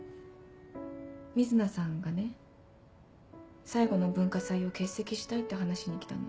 瑞奈さんがね最後の文化祭を欠席したいって話しに来たの。